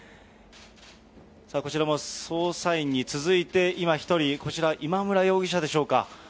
こちらも捜査員に続いて、今、１人、こちら、今村容疑者でしょうか。